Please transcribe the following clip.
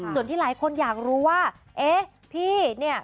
ส่วนที่หลายคนอยากรู้ว่าเอ๊ะพี่เนี่ย